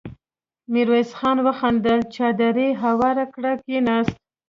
ميرويس خان وخندل، څادر يې هوار کړ، کېناست.